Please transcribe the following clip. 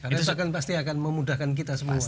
karena itu pasti akan memudahkan kita semua